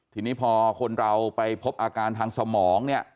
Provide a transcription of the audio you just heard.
ทีนี้พอคนเราไปพบอาการทางสมองเนี่ย